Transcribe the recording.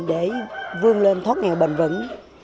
để vươn lên thoát nghèo bền vững